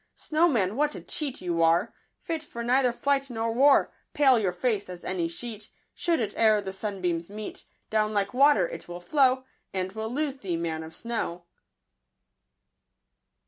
Snowman, what a cheat you are ; Fit for neither flight nor war ! Pale your face as any sheet : Should it e'er the sunbeams meet, Down like water it will flow, And we'll lose thee, man of snow